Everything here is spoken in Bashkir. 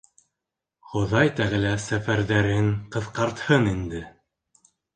— Хоҙай тәғәлә сәфәрҙәрен ҡыҫҡартһын инде.